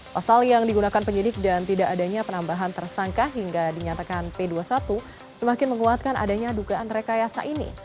pasal yang digunakan penyidik dan tidak adanya penambahan tersangka hingga dinyatakan p dua puluh satu semakin menguatkan adanya dugaan rekayasa ini